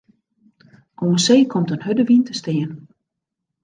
Oan see komt in hurde wyn te stean.